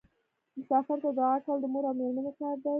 مسافر ته دعا کول د مور او میرمنې کار دی.